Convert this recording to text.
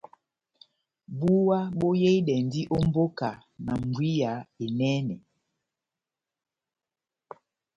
Búwa boyehidɛndi ó mbóka na mbwiya enɛnɛ.